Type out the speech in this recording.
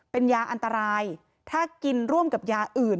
เป็นยาอันตรายถ้ากินร่วมกับยาอื่น